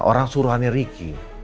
orang suruhannya ricky